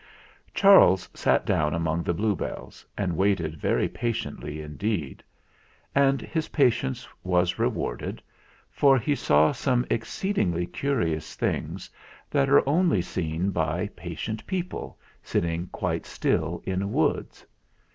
Charles sat down among the bluebells, and waited very patiently indeed. And his patience was rewarded, for he saw some exceedingly curious things that are only seen by patient people sitting quite still in woods.